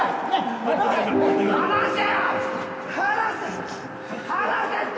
離せ！